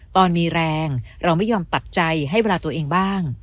ตอนมีแรงเราไม่ยอมตัดใจให้เวลาตัวเองบ้าง